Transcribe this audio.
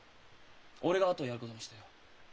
俺が後をやることにしたよ。